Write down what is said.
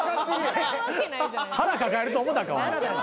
腹抱えると思うたか。